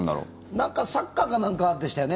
なんかサッカーか何かでしたよね？